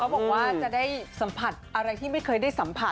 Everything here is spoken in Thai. บอกว่าจะได้สัมผัสอะไรที่ไม่เคยได้สัมผัส